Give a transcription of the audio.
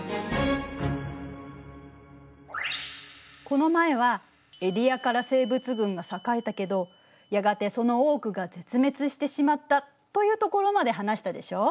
この前はエディアカラ生物群が栄えたけどやがてその多くが絶滅してしまったというところまで話したでしょう？